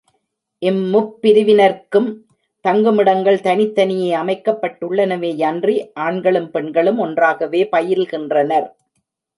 இம் முப்பிரிவினர்க்கும் தங்குமிடங்கள் தனித்தனியே அமைக்கப்பட்டுள்ளனவேயன்றி, ஆண்களும் பெண்களும் ஒன்றாகவே பயில்கின்றனர்.